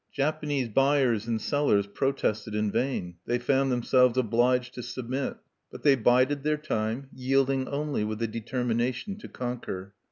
Japanese buyers and sellers protested in vain; they found themselves obliged to submit. But they bided their time, yielding only with the determination to conquer.